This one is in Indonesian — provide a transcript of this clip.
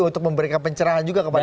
untuk memberikan pencerahan juga kepada